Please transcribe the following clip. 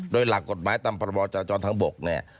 โดยหลักกฎหมายตามพรบจราจรทางบกเนี่ย